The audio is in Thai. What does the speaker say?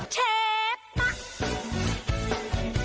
เชฟ